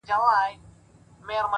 هره هڅه د راتلونکي بنسټ جوړوي’